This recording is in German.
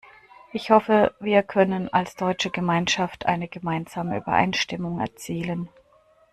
Ich hoffe, wir können als deutsche Gemeinschaft eine gemeinsame Übereinstimmung erzielen.